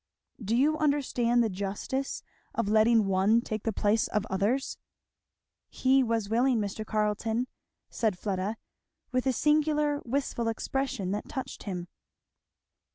"Do you understand the justice of letting one take the place of others?" "He was willing, Mr. Carleton," said Fleda, with a singular wistful expression that touched him.